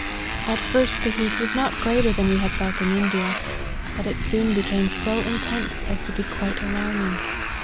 At first the heat was not greater than we had felt in India, but it soon became so intense as to be quite alarming.